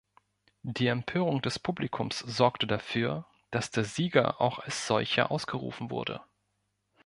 Die Empörung des Publikums sorgte dafür, dass der Sieger auch als solcher ausgerufen wurde.